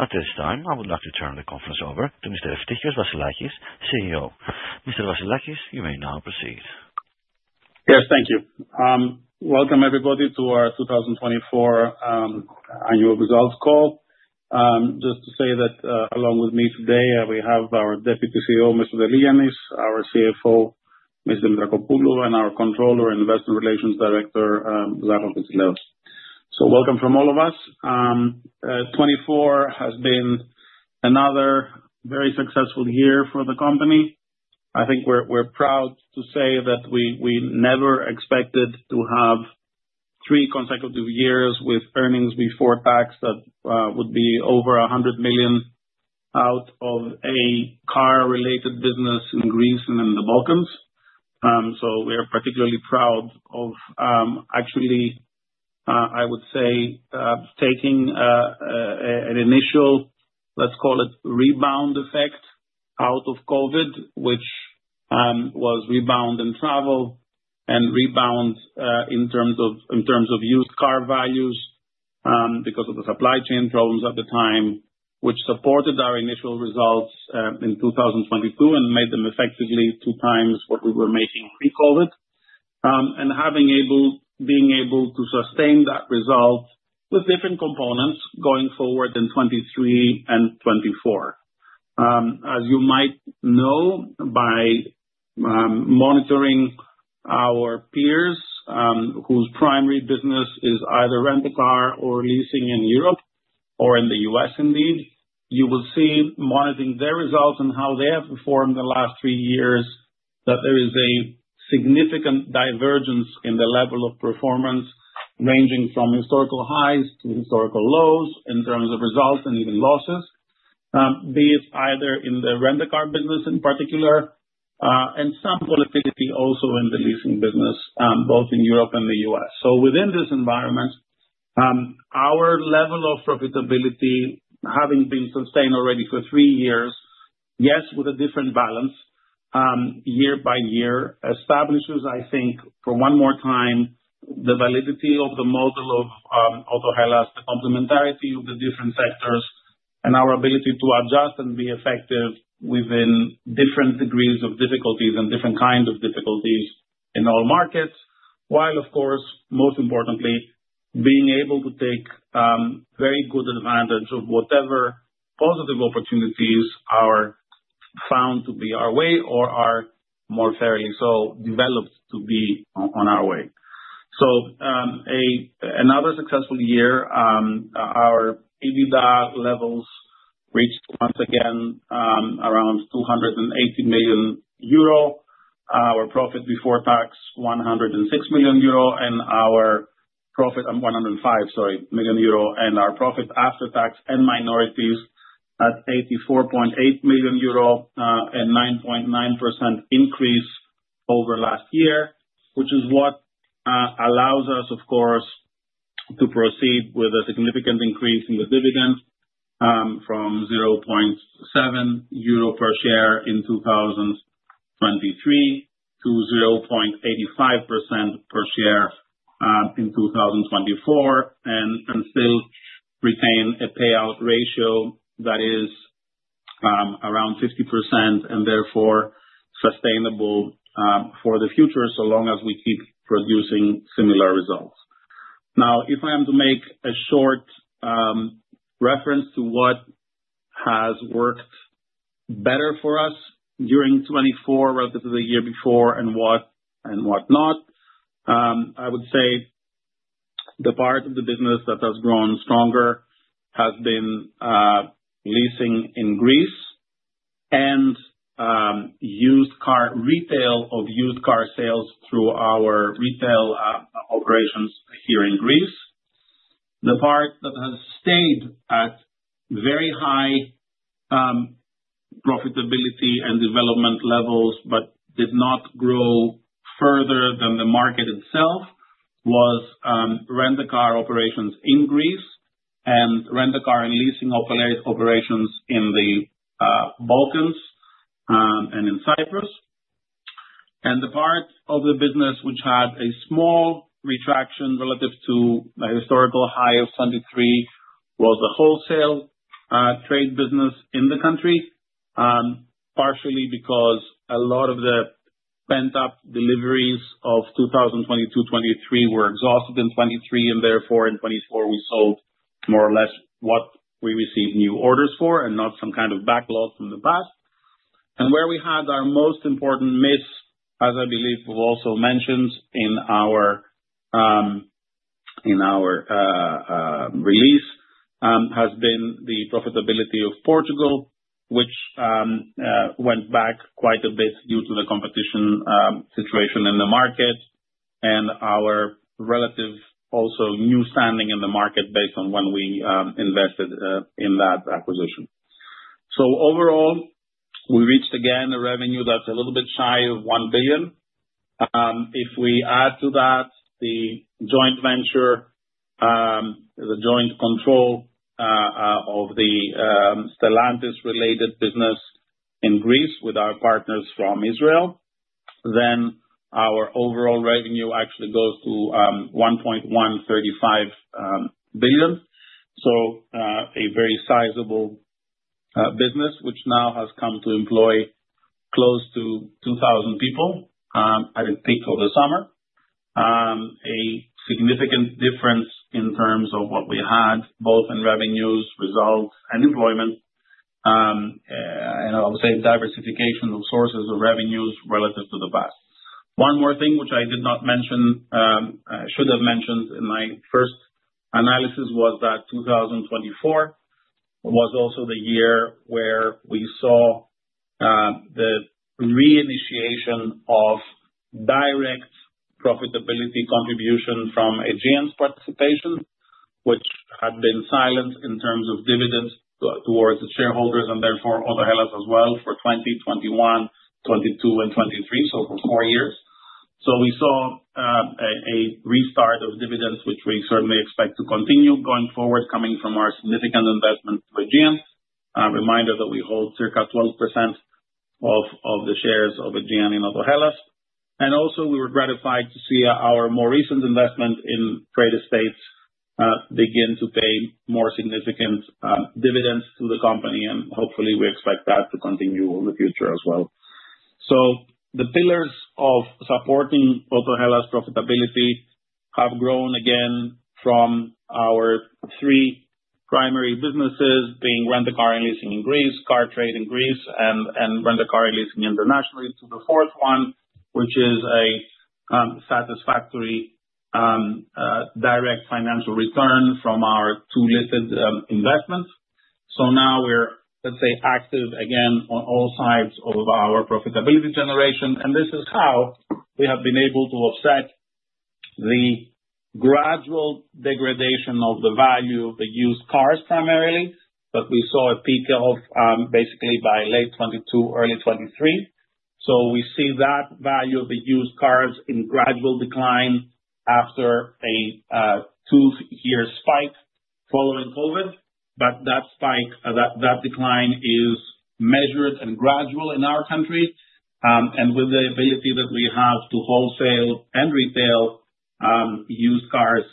At this time, I would like to turn the conference over to Mr. Eftichios Vassilakis, CEO. Mr. Vassilakis, you may now proceed. Yes, thank you. Welcome everybody to our 2024 annual results call. Just to say that along with me today, we have our Deputy CEO, Mr. Dellianis, our CFO, Mr. Drakopoulos, and our Controller Investor Relations Director, Zafirakis Laos. Welcome from all of us. 2024 has been another very successful year for the company. I think we're proud to say that we never expected to have three consecutive years with earnings before tax that would be over 100 million out of a car-related business in Greece and in the Balkans. we are particularly proud of actually I would say taking an initial, let's call it rebound effect out of COVID, which was rebound in travel and rebound in terms of used car values because of the supply chain problems at the time, which supported our initial results in 2022 and made them effectively 2 times what we were making pre-COVID. being able to sustain that result with different components going forward in 2023 and 2024. As you might know by monitoring our peers, whose primary business is either rent-a-car or leasing in Europe or in the U.S. indeed, you will see monitoring their results and how they have performed in the last 3 years, that there is a significant divergence in the level of performance ranging from historical highs to historical lows in terms of results and even losses. Be it either in the rent-a-car business in particular, and some volatility also in the leasing business, both in Europe and the U.S. Within this environment, our level of profitability having been sustained already for three years, yes, with a different balance, year by year establishes, I think, for one more time the validity of the model of Autohellas, the complementarity of the different sectors, and our ability to adjust and be effective within different degrees of difficulties and different kinds of difficulties in all markets, while of course most importantly being able to take very good advantage of whatever positive opportunities are found to be our way or are more fairly so developed to be on our way. Another successful year, our EBITDA levels reached once again around 280 million euro. Our profit before tax 106 million euro, and our profit... 105 million, sorry, million euro. Our profit after tax and minorities at 84.8 million euro, and 9.9% increase over last year, which is what allows us, of course, to proceed with a significant increase in the dividend, from 0.7 euro per share in 2023 to 0.85% per share in 2024 and still retain a payout ratio that is around 50% and therefore sustainable for the future, so long as we keep producing similar results. If I am to make a short reference to what has worked better for us during 2024 relative to the year before and what not, I would say the part of the business that has grown stronger has been leasing in Greece and used car retail of used car sales through our retail operations here in Greece. The part that has stayed at very high profitability and development levels but did not grow further than the market itself was rent-a-car operations in Greece and rent-a-car and leasing operations in the Balkans and in Cyprus. The parts of the business which had a small retraction relative to the historical high of 2023 was the wholesale trade business in the country, partially because a lot of the pent-up deliveries of 2022, 2023 were exhausted in 2023, and therefore in 2024 we sold more or less what we received new orders for and not some kind of backlog from the past. Where we had our most important miss, as I believe we've also mentioned in our in our release, has been the profitability of Portugal, which went back quite a bit due to the competition situation in the market and our relative also new standing in the market based on when we invested in that acquisition. Overall, we reached again a revenue that's a little bit shy of 1 billion. If we add to that the joint venture, the joint control of the Stellantis related business in Greece with our partners from Israel. Our overall revenue actually goes to 1.135 billion. A very sizable business, which now has come to employ close to 2,000 people, I think over the summer. A significant difference in terms of what we had, both in revenues, results and employment. I would say diversification of sources of revenues relative to the past. One more thing which I did not mention, I should have mentioned in my first analysis, was that 2024 was also the year where we saw the reinitiation of direct profitability contribution from Aegean's participation, which had been silent in terms of dividends towards the shareholders, therefore, Autohellas as well for 2020, 2021, 2022, and 2023, so for 4 years. We saw a restart of dividends, which we certainly expect to continue going forward, coming from our significant investment with Aegean. A reminder that we hold circa 12% of the shares of Aegean in Autohellas. Also we were gratified to see our more recent investment in Credit Estates begin to pay more significant dividends to the company, and hopefully we expect that to continue over the future as well. The pillars of supporting Autohellas profitability have grown again from our three primary businesses, being rent-a-car and leasing in Greece, car trade in Greece and rent-a-car and leasing internationally to the fourth one, which is a satisfactory direct financial return from our two listed investments. Now we're, let's say, active again on all sides of our profitability generation. This is how we have been able to offset the gradual degradation of the value of the used cars primarily, that we saw a peak of, basically by late 2022, early 2023. We see that value of the used cars in gradual decline after a two-year spike following COVID. That spike, that decline is measured and gradual in our country. With the ability that we have to wholesale and retail used cars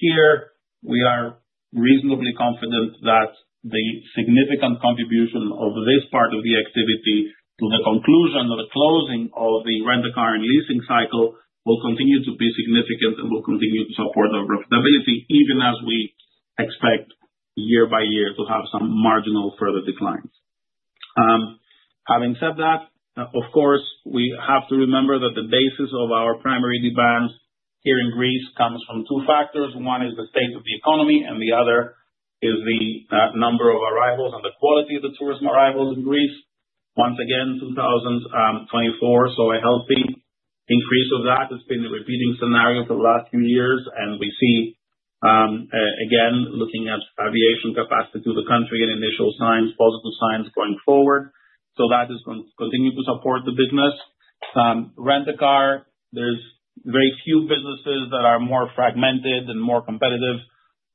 here, we are reasonably confident that the significant contribution of this part of the activity to the conclusion or the closing of the rent-a-car and leasing cycle will continue to be significant and will continue to support our profitability, even as we expect year by year to have some marginal further declines. Having said that, of course, we have to remember that the basis of our primary demand here in Greece comes from two factors. One is the state of the economy and the other is the number of arrivals and the quality of the tourism arrivals in Greece. Once again, 2024 saw a healthy increase of that. It's been a repeating scenario for the last few years. We see, again, looking at aviation capacity to the country and initial signs, positive signs going forward. That is continue to support the business. Rent-a-car, there's very few businesses that are more fragmented and more competitive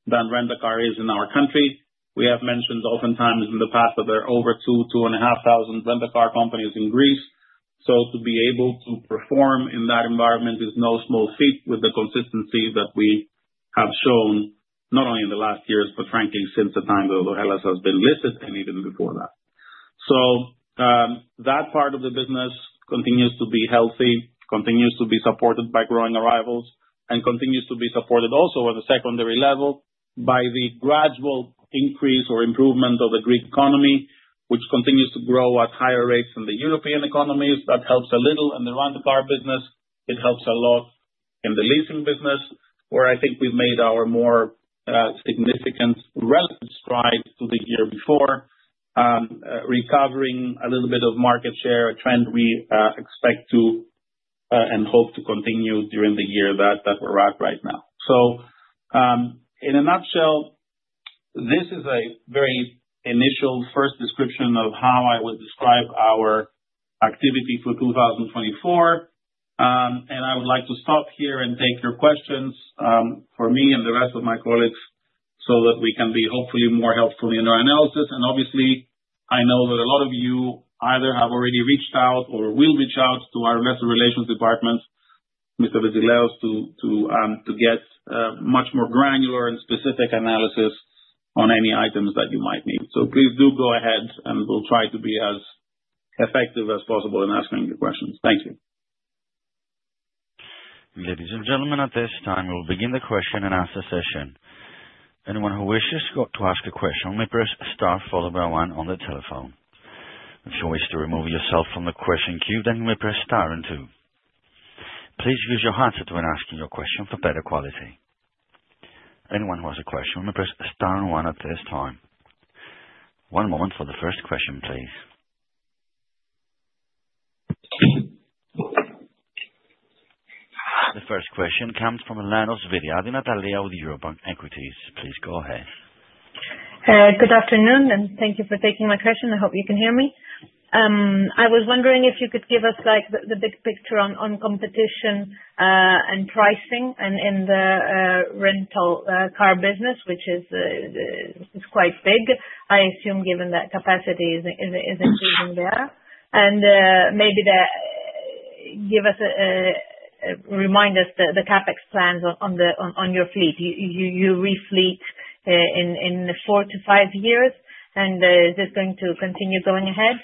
than rent-a-car is in our country. We have mentioned oftentimes in the past that there are over 2,500 rent-a-car companies in Greece. To be able to perform in that environment is no small feat with the consistency that we have shown not only in the last years, but frankly since the time that Autohellas has been listed and even before that. That part of the business continues to be healthy, continues to be supported by growing arrivals, and continues to be supported also at the secondary level by the gradual increase or improvement of the Greek economy, which continues to grow at higher rates than the European economies. That helps a little in the rent-a-car business. It helps a lot in the leasing business, where I think we've made our more significant relative strides to the year before, recovering a little bit of market share, a trend we expect to and hope to continue during the year that we're at right now. In a nutshell, this is a very initial first description of how I would describe our activity for 2024. I would like to stop here and take your questions for me and the rest of my colleagues, so that we can be hopefully more helpful in our analysis. Obviously I know that a lot of you either have already reached out or will reach out to our investor relations department, Mr. Vasileios to get much more granular and specific analysis on any items that you might need. Please do go ahead and we'll try to be as effective as possible in answering the questions. Thank you. Ladies and gentlemen, at this time, we'll begin the question and answer session. Anyone who wishes to ask a question, may press star followed by one on the telephone. If you wish to remove yourself from the question queue, then you may press star and two. Please use your headset when asking your question for better quality. Anyone who has a question may press star and one at this time. One moment for the first question, please. The first question comes from Alexis Alathouros with Eurobank Equities. Please go ahead. Good afternoon. Thank you for taking my question. I hope you can hear me. I was wondering if you could give us like the big picture on competition and pricing and in the rental car business, which is quite big, I assume, given that capacity is increasing there. Maybe the. Give us a remind us the CapEx plans on your fleet. You refleet in 4 to 5 years and is this going to continue going ahead?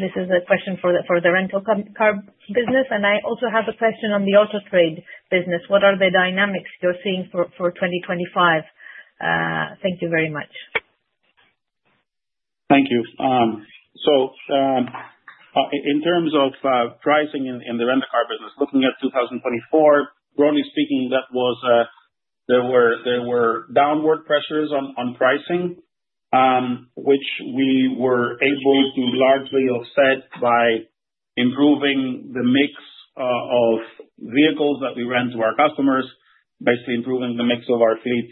This is a question for the rental car business. I also have a question on the Autotrade business. What are the dynamics you're seeing for 2025? Thank you very much. Thank you. In terms of pricing in the rent-a-car business, looking at 2024, broadly speaking that was, there were downward pressures on pricing, which we were able to largely offset by improving the mix of vehicles that we rent to our customers, basically improving the mix of our fleet,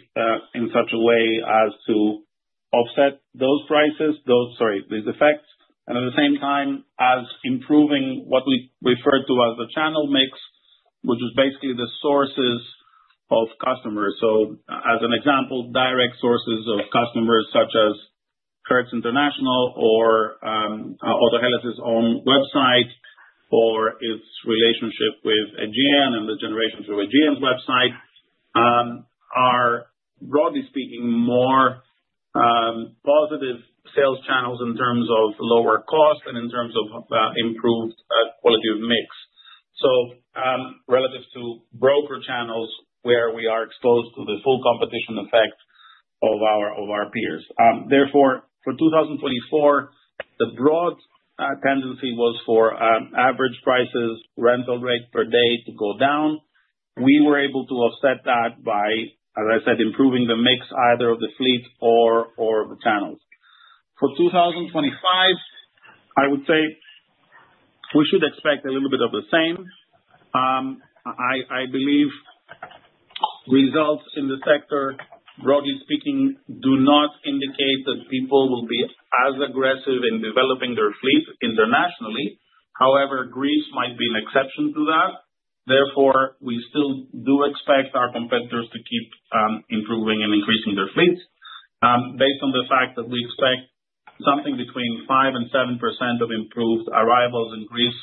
in such a way as to offset these effects. At the same time as improving what we refer to as the channel mix, which is basically the sources of customers. As an example, direct sources of customers such as Hertz International or Autohellas' own website or its relationship with Aegean and the generation through Aegean's website, are broadly speaking more positive sales channels in terms of lower cost and in terms of improved quality of mix. Relative to broker channels, where we are exposed to the full competition effect of our peers. Therefore, for 2024, the broad tendency was for average prices, rental rate per day to go down. We were able to offset that by, as I said, improving the mix either of the fleet or the channels. For 2025, I would say we should expect a little bit of the same. I believe results in the sector, broadly speaking, do not indicate that people will be as aggressive in developing their fleet internationally. However, Greece might be an exception to that. Therefore, we still do expect our competitors to keep improving and increasing their fleets. Based on the fact that we expect something between 5% and 7% of improved arrivals in Greece,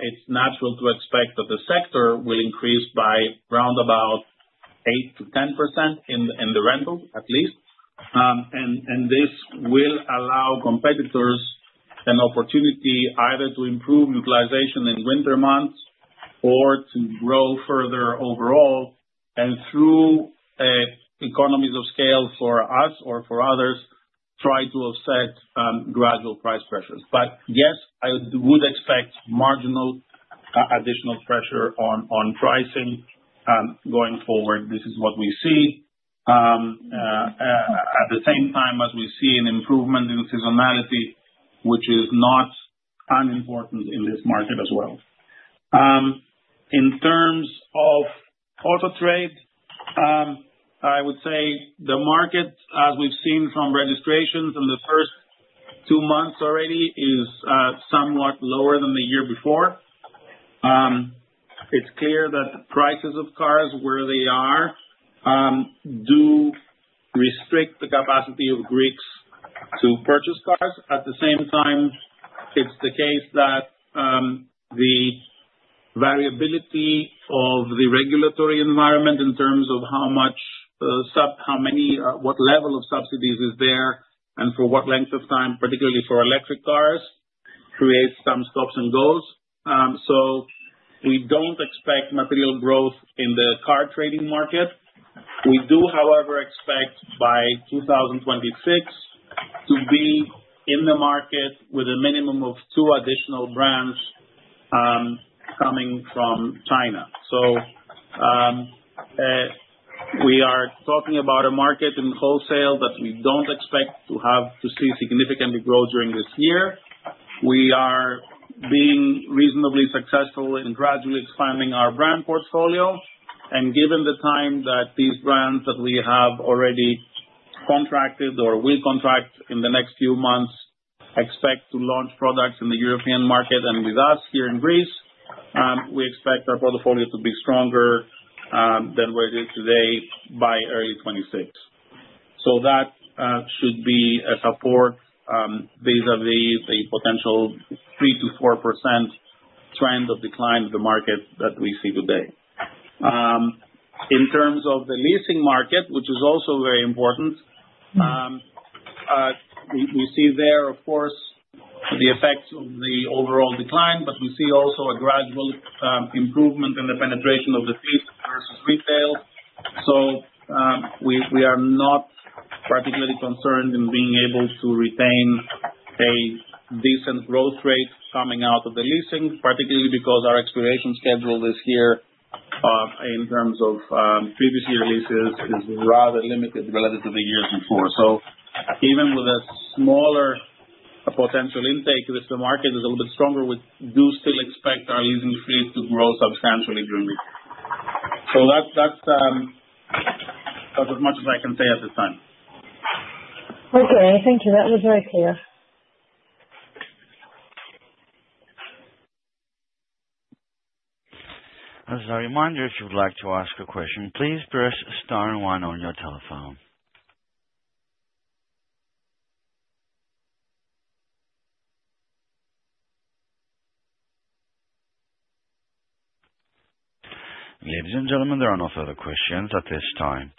it's natural to expect that the sector will increase by round about 8%-10% in the rental at least. This will allow competitors an opportunity either to improve utilization in winter months or to grow further overall and through economies of scale for us or for others, try to offset gradual price pressures. Yes, I would expect marginal additional pressure on pricing going forward. This is what we see. At the same time as we see an improvement in seasonality, which is not unimportant in this market as well. In terms of AutoTrade, I would say the market, as we've seen from registrations in the first two months already, is somewhat lower than the year before. It's clear that the prices of cars where they are do restrict the capacity of Greeks to purchase cars. At the same time, it's the case that the variability of the regulatory environment in terms of how much, how many, what level of subsidies is there and for what length of time, particularly for electric cars, creates some stops and goes. We don't expect material growth in the car trading market. We do, however, expect by 2026 to be in the market with a minimum of two additional brands coming from China. We are talking about a market in wholesale that we don't expect to have to see significantly grow during this year. We are being reasonably successful in gradually expanding our brand portfolio, and given the time that these brands that we have already contracted or will contract in the next few months expect to launch products in the European market and with us here in Greece, we expect our portfolio to be stronger than where it is today by early 2026. That should be a support vis-à-vis the potential 3%-4% trend of decline of the market that we see today. In terms of the leasing market, which is also very important, we see there, of course, the effects of the overall decline, but we see also a gradual improvement in the penetration of the fleet versus retail. We are not particularly concerned in being able to retain a decent growth rate coming out of the leasing, particularly because our expiration schedule this year, in terms of previous year leases is rather limited relative to the years before. Even with a smaller potential intake, if the market is a little bit stronger, we do still expect our leasing fleet to grow substantially during the year. That's, that's as much as I can say at this time. Okay. Thank you. That was very clear. As a reminder, if you would like to ask a question, please press star and one on your telephone. Ladies and gentlemen, there are no further questions at this time.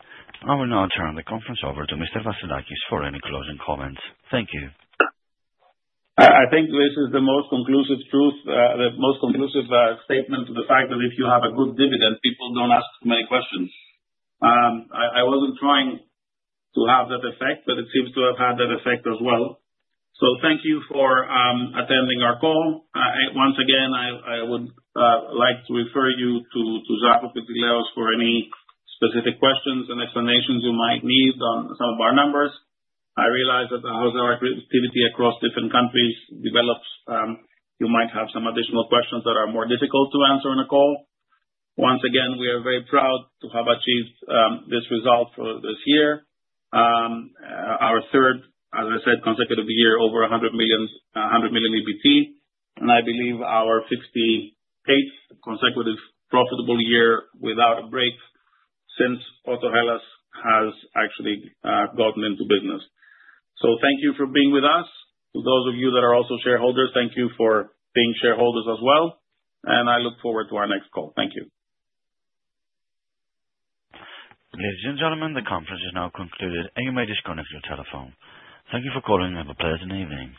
I will now turn the conference over to Mr. Vassilakis for any closing comments. Thank you. I think this is the most conclusive proof, the most conclusive statement to the fact that if you have a good dividend, people don't ask many questions. I wasn't trying to have that effect, it seems to have had that effect as well. Thank you for attending our call. Once again, I would like to refer you to Zacharopoulos for any specific questions and explanations you might need on some of our numbers. I realize that as our activity across different countries develops, you might have some additional questions that are more difficult to answer on a call. Once again, we are very proud to have achieved this result for this year. Our third, as I said, consecutive year over 100 million EBT, and I believe our 68th consecutive profitable year without a break since Autohellas has actually gotten into business. Thank you for being with us. To those of you that are also shareholders, thank you for being shareholders as well, and I look forward to our next call. Thank you. Ladies and gentlemen, the conference is now concluded and you may disconnect your telephone. Thank you for calling and have a pleasant evening.